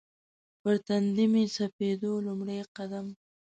پر تندي مې سپېدو لومړی قدم